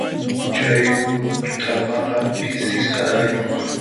Chay kutamaqa pisi sarayuq.